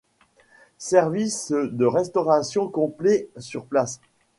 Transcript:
Service de restauration complet sur place.